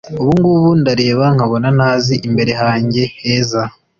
Ubu ngubu ndareba nkabona ntazi imbere hanjye heza